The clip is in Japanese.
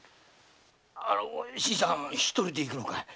新さん一人で行くのかい？